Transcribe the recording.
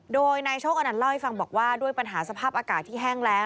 โดยนายโชคอนันต์เล่าให้ฟังบอกว่าด้วยปัญหาสภาพอากาศที่แห้งแล้ว